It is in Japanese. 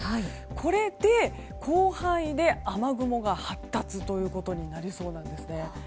これで、広範囲で雨雲が発達ということになりそうです。